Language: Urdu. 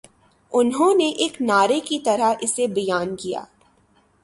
انہوں نے ایک نعرے کی طرح اسے بیان کیا